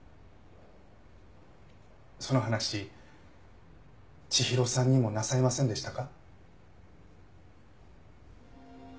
その話千尋さんにもなさいませんでしたか？